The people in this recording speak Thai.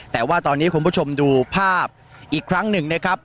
แต่ว่าตอนนี้คุณผู้ชมดูภาพอีกครั้งหนึ่งนะครับ